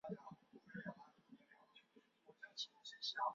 知名人物夏川里美出身于此岛。